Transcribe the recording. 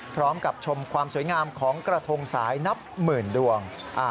ชมความสวยงามของกระทงสายนับหมื่นดวง